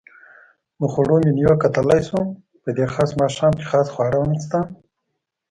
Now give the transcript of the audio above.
د خوړو منیو کتلای شو؟ په دې خاص ماښام کې خاص خواړه هم شته.